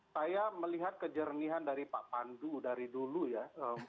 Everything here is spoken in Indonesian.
saya melihat kejernihan dari pak pandu dari dulu ya